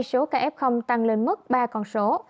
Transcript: số ca f tăng lên mức ba con số